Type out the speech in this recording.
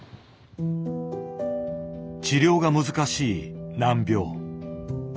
治療が難しい難病。